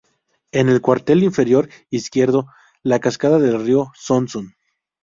En el cuartel inferior izquierdo, la cascada del río Sonsón.